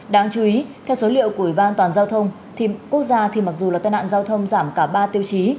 đáng chú ý theo số liệu của ủy ban toàn giao thông thì quốc gia thì mặc dù là tai nạn giao thông giảm cả ba tiêu chí